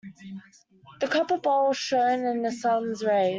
The copper bowl shone in the sun's rays.